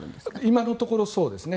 今のところそうですね。